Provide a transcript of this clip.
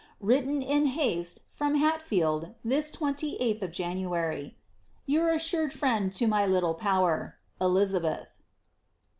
Written in haste from Hatfield, this 28th of Ja nuary. Your assured friend to my little power, *'Ei.TXABiTa.'